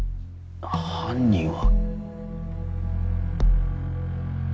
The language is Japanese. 「犯人は」。